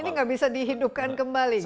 ini gak bisa dihidupkan kembali gitu